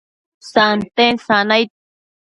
santen sanaid